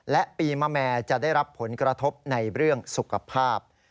และปีมะแม่จะได้รับผลกระทบในเรื่องสุขภาพ